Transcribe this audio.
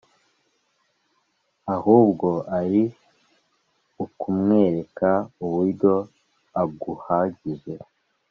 ahubwo ari ukumwereka uburyo aguhagije